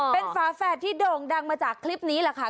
เป็นฝาแฝดที่โด่งดังมาจากคลิปนี้แหละค่ะ